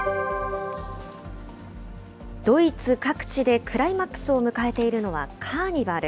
ドイツ各地でクライマックスを迎えているのはカーニバル。